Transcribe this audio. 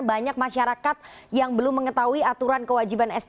banyak masyarakat yang belum mengetahui aturan kewajiban sd